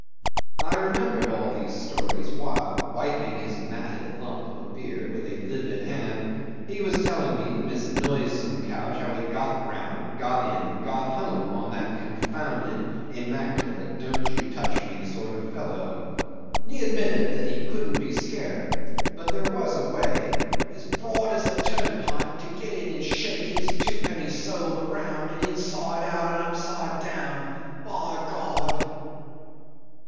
..." I remembered all these stories while, wiping his matted lump of a beard with a livid hand, he was telling me from his noisome couch how he got round, got in, got home, on that confounded, immaculate, don't you touch me sort of fellow. He admitted that he couldn't be scared, but there was a way, "as broad as a turnpike, to get in and shake his twopenny soul around and inside out and upside down by God!"